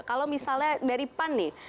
kalau misalnya dari pan nih